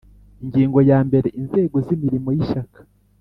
Ingingo ya mbere Inzego z imirimo y Ishyaka